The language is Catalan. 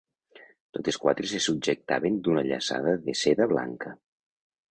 Totes quatre se subjectaven d'una llaçada de seda blanca.